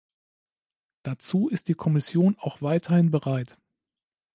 Dazu ist die Kommission auch weiterhin bereit.